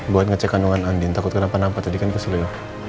buat ngecek kandungan andin takut kenapa napa tadi kan ke slew